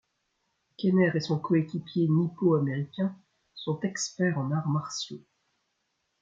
Kenner et son coéquipier nippo-américain sont experts en arts martiaux.